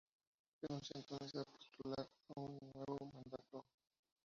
Renuncia entonces a postular a un nuevo mandato.